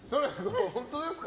本当ですか？